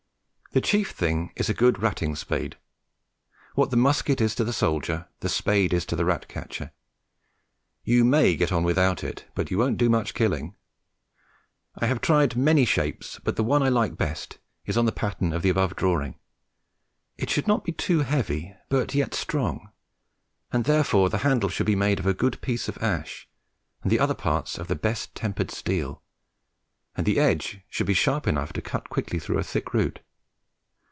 The chief thing is a good ratting spade. What the musket is to the soldier, the spade is to the rat catcher. You may get on without it, but you won't do much killing. I have tried many shapes, but the one I like best is on the pattern of the above drawing. It should not be too heavy, but yet strong; and, therefore, the handle should be made of a good piece of ash, and the other parts of the best tempered steel, and the edge should be sharp enough to cut quickly through a thick root.